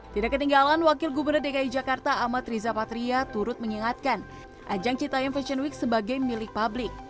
tidak ketinggalan wakil gubernur dki jakarta amat riza patria turut mengingatkan ajang citayam fashion week sebagai milik publik